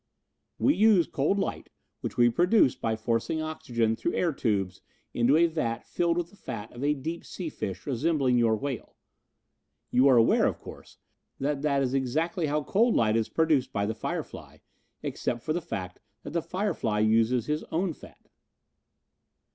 "We use cold light which we produce by forcing oxygen through air tubes into a vat filled with the fat of a deep sea fish resembling your whale. You are aware, of course, that that is exactly how cold light is produced by the firefly, except for the fact that the firefly uses his own fat."